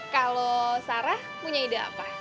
kalau sarah punya ide apa